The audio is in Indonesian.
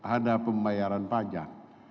ada pembayaran pajak